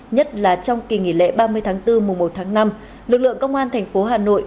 nhất là trong kỳ nghỉ lễ ba mươi tháng bốn mùa một tháng năm lực lượng công an thành phố hà nội